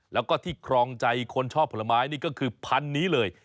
แล้วก็ที่ครองใจคนชอบผลไม้นี่ก็คือพันธุ์นี้เลย